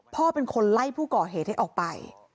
พ่อเป็นคนไล่ผู้ก่อเหตุให้ออกไป